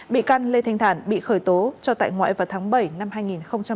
bị can lê thanh thản bị khởi tố cho tại ngoại vào tháng bảy năm hai nghìn một mươi chín